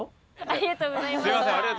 ありがとうございます